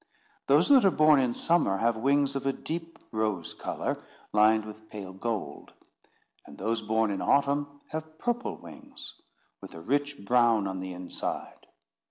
Those that are born in summer have wings of a deep rose colour, lined with pale gold. And those born in autumn have purple wings, with a rich brown on the inside.